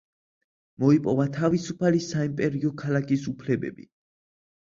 მოიპოვა თავისუფალი საიმპერიო ქალაქის უფლებები.